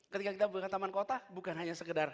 ketika kita buka taman kota bukan hanya sekedar